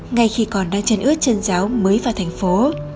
ngay khi còn đang chân ướt trên giáo mới vào thành phố